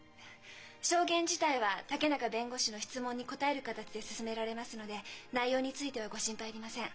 証言自体は竹永弁護士の質問に答える形で進められますので内容についてはご心配いりません。